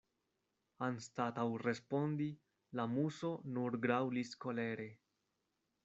Anstataŭ respondi, la Muso nur graŭlis kolere.